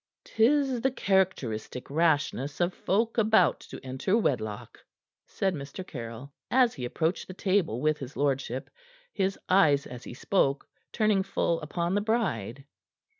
"'Tis the characteristic rashness of folk about to enter wedlock," said Mr. Caryll, as he approached the table with his lordship, his eyes as he spoke turning full upon the bride.